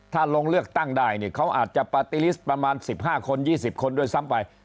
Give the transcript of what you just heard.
ถ้าลงเลือกตั้งได้เนี่ยเขาอาจจะปาร์ตี้ลิสต์ประมาณ๑๕คน๒๐คนด้วยซ้ำไป